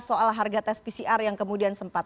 soal harga tes pcr yang kemudian sempat